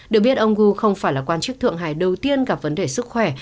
được biết ông gu không phải là quan chức thượng hải đầu tiên gặp vấn đề sức khỏe